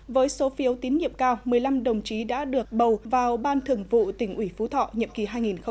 với số phiếu tín nhiệm cao một mươi năm đồng chí đã được bầu vào ban thường vụ tỉnh ủy phú thọ nhiệm kỳ hai nghìn hai mươi hai nghìn hai mươi năm